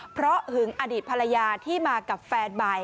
เพราะหึงอดีตภรรยาที่มากับแฟนใหม่